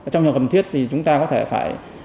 trong hiệu cầm thiết thì chúng ta có thể phải